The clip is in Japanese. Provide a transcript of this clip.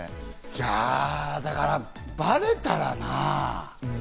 いや、だからバレたらな。